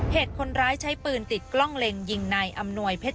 เหตุคนร้ายใช้ปืนติดกล้องเล็งยิงในอำนวยเพชร